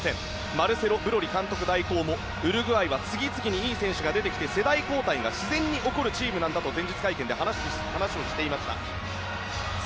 マルセロ・ブロリ監督代行もウルグアイは次々にいい選手が出てきて世代交代が自然に起きるチームなんだと前日会見で話していました。